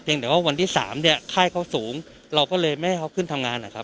แต่ว่าวันที่สามเนี่ยค่ายเขาสูงเราก็เลยไม่ให้เขาขึ้นทำงานนะครับ